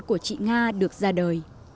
của chị nga được ra đời